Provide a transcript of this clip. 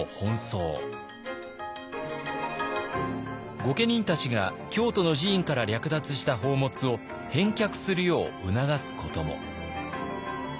御家人たちが京都の寺院から略奪した宝物を返却するよう促すことも。